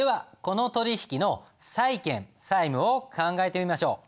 この取引の債権債務を考えてみましょう。